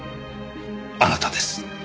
あなたです。